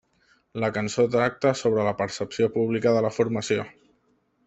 La cançó tracta sobre la percepció pública de la formació.